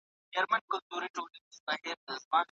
هلک او نجلۍ بايد يو د بل له شتمنۍ څخه خبر وي